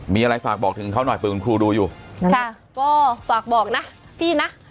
มีอะไรฝากบอกถึงเขาหน่อยเผื่อคุณครูดูอยู่นะคะก็ฝากบอกนะพี่นะ